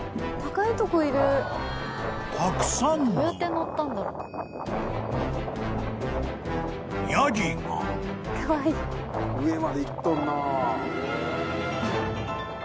［たくさんのヤギが］上まで行っとんなぁ。